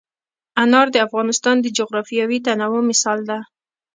انار د افغانستان د جغرافیوي تنوع مثال دی.